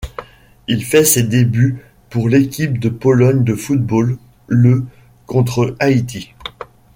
Il fait ses débuts pour l'équipe de Pologne de football le contre Haïti.